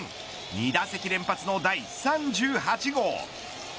２打席連発の第３８号。